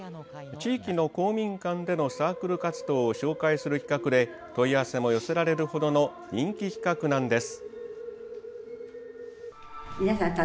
地域の公民館でのサークル活動を紹介する企画で問い合わせも寄せられるほどの人気企画なんです。